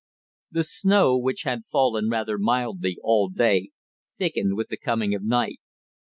The snow, which had fallen rather mildly, all day, thickened with the coming of night.